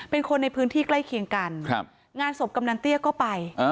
เป็นคนในพื้นที่ใกล้เคียงกันครับงานศพกำนันเตี้ยก็ไป